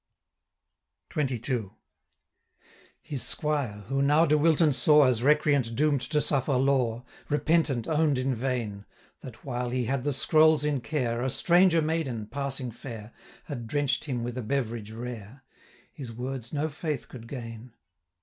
610 XXII. 'His squire, who now De Wilton saw As recreant doom'd to suffer law, Repentant, own'd in vain, That, while he had the scrolls in care, A stranger maiden, passing fair, 615 Had drench'd him with a beverage rare; His words no faith could gain.